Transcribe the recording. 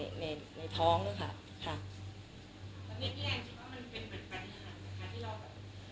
ตอนนี้พี่แอมคิดว่ามันเป็นเหมือนปฏิหารค่ะที่เราแบบ